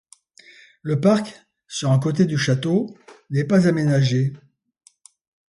Le parc, sur un côté du château, n'est pas aménagé.